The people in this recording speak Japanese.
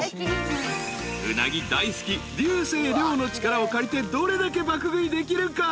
［うなぎ大好き竜星涼の力を借りてどれだけ爆食いできるか？］